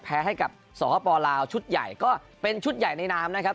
แพ้ให้กับสปลาวชุดใหญ่ก็เป็นชุดใหญ่ในนามนะครับ